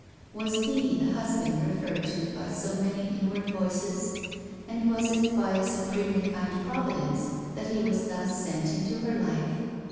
Was HE tlie husband referred to by so many inward voices, and was it by a supremely kind Providence that he was thiis sent into her life?